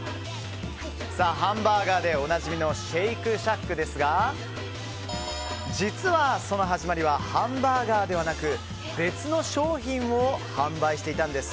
ハンバーガーでおなじみのシェイクシャックですが実は、その始まりはハンバーガーではなく別の商品を販売していたんです。